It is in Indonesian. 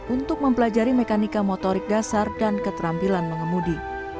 untuk mempelajari mekanika motorik dasar dan keterampilan mengemudi